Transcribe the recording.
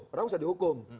padahal udah dihukum